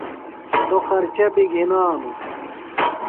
سوۡ خرچہ بیۡ گِھنانوۡ۔